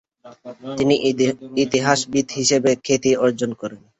তিনি ইতিহাসবিদ হিসেবে খ্যাতি অর্জন করেন।